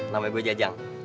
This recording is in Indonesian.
namanya gue jajang